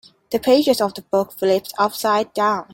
The pages of the book flipped upside down.